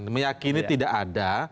meyakini tidak ada